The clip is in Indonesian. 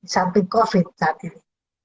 sampai covid saat ini